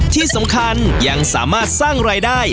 ที่สำคัญยังสามารถสร้างรายได้